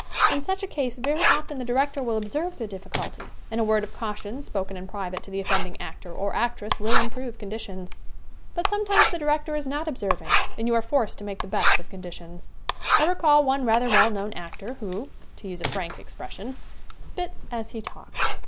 In such a case very often the director will observe the difficulty and a word of cau tion spoken in private to the offending actor or actress will improve conditions. SCREEN ACTING 93 But sometimes the director is not observing and you are forced to make the best of condi tions. I recall one rather well known actor who, to use a frank expression, "spits as he talks."